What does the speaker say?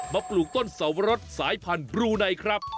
ปลูกต้นสวรสสายพันธุ์บลูไนครับ